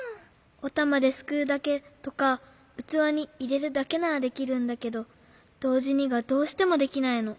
おたまですくうだけとかうつわにいれるだけならできるんだけどどうじにがどうしてもできないの。